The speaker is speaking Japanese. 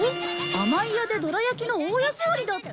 甘井屋でどら焼きの大安売りだって。